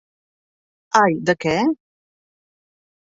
Ai, de què...!